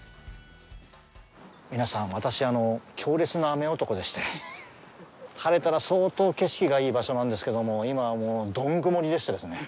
皆さん、私、強烈な雨男でして、晴れたら、相当景色がいい場所なんですけども、いまはもう、どん曇りでしたですね。